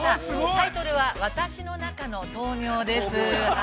タイトルは「私の中の豆苗」です。